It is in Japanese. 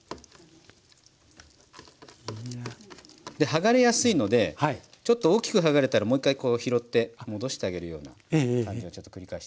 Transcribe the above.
剥がれやすいのでちょっと大きく剥がれたらもう一回こう拾って戻してあげるような感じを繰り返して頂くといいですね。